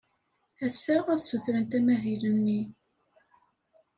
Ass-a, ad ssutrent amahil-nni.